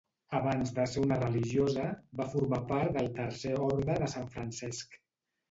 Abans de ser una religiosa, va formar part del Tercer Orde de Sant Francesc.